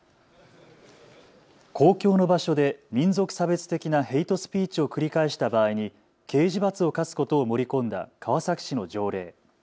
公共の場所で民族差別的なヘイトスピーチを繰り返した場合に刑事罰を科すことを盛り込んだ川崎市の条例。